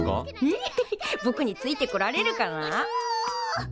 エッヘヘぼくについてこられるかな？